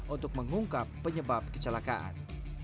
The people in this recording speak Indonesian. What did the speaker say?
untuk mengungkap penyebab kecelakaan